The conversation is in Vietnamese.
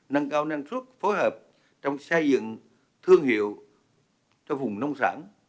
nâng cao năng suất phối hợp trong xây dựng thương hiệu cho vùng nông sản